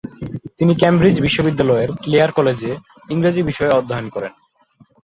তিনি ক্যামব্রিজ বিশ্ববিদ্যালয়ের ক্লেয়ার কলেজে ইংরেজি বিষয়ে অধ্যয়ন করেন।